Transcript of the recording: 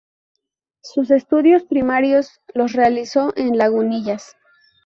Sus estudios primarios los realizó en Lagunillas.